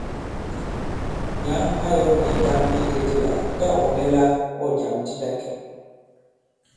Nyǎŋ ā yɔ̄ nì nyɛtām itētē la tâ ɔ̀ nɛ la ɔ̂ jàm di ta kɛ̀.